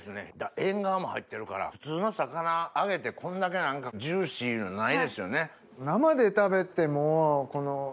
エンガワも入ってるから普通の魚揚げてこんだけ何かジューシーのないですよね。